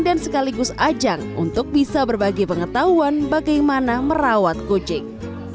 dan sekaligus ajang untuk bisa berbagi pengetahuan bagaimana merawat kucing